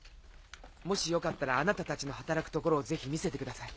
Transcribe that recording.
もしよかったらあなたたちの働くところをぜひ見せてください。